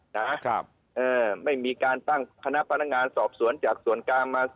นะครับเอ่อไม่มีการตั้งคณะพนักงานสอบสวนจากส่วนกลางมา